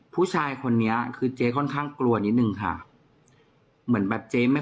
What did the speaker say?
ผู้ชายคนนี้คือเจ๊ค่อนข้างกลัวนิดนึงค่ะเหมือนแบบเจ๊ไม่